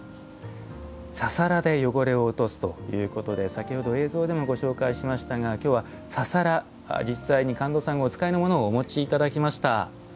「ササラで汚れを落とす」ということで先ほど映像でもご紹介しましたが今日はササラ実際に神門さんがお使いのものをお持ちいただきました。